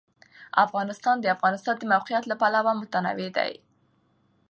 افغانستان د د افغانستان د موقعیت له پلوه متنوع دی.